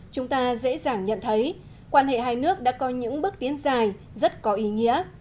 chúng ta dễ dàng nhận thấy quan hệ hai nước đã có những bước tiến dài rất có ý nghĩa